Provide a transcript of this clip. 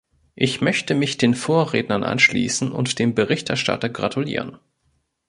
Ich möchte mich den Vorrednern anschließen und dem Berichterstatter gratulieren.